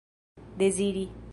deziri